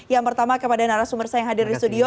yang pertama kepada narasumber saya yang hadir di studio